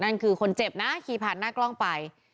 นั่นคือคนเจ็บนะขี่ผ่านหน้ากล้องไป